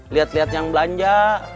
lihat lihat yang belanja